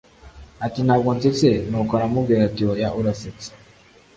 Ati ntabwo nsetse ni uko aramubwira ati oya urasetse